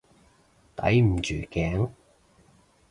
抵唔住頸？